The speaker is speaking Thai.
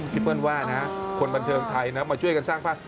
เปิ้ลว่านะคนบันเทิงไทยนะมาช่วยกันสร้างภาพ